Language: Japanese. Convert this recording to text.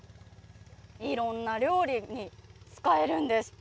いろんな料理に使えるんです。